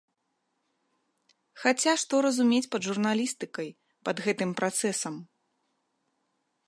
Хаця што разумець пад журналістыкай, пад гэтым працэсам.